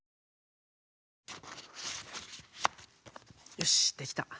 よしできた。